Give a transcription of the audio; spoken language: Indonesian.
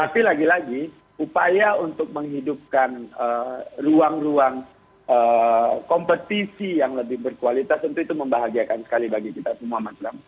tapi lagi lagi upaya untuk menghidupkan ruang ruang kompetisi yang lebih berkualitas tentu itu membahagiakan sekali bagi kita semua mas bram